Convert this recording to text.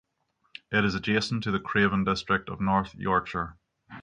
It is adjacent to the Craven district of North Yorkshire.